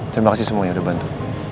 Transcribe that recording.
terima kasih semuanya sudah bantu